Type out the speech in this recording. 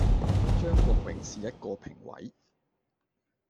張國榮是其中一個評委